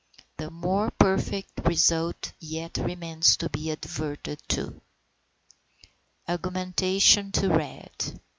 The more perfect result yet remains to be adverted to. AUGMENTATION TO RED.